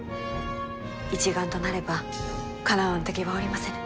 一丸となればかなわぬ敵はおりませぬ。